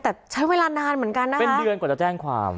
แต่ใช้เวลานานเหมือนกันนะคะเป็นเดือนกว่าจะแจ้งความ